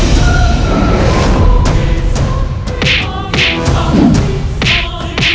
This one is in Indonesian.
sampai ketemu lagi